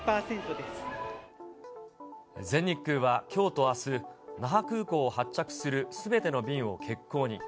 全日空はきょうとあす、那覇空港を発着するすべての便を欠航に。